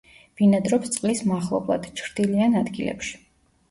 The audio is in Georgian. ბინადრობს წყლის მახლობლად ჩრდილიან ადგილებში.